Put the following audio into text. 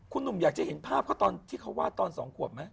คุณหนุ่มอยากจะเห็นภาพเขาตอนที่เขาวาดตอน๒ขวบไหม